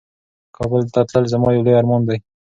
کابل ته تلل زما یو لوی ارمان دی.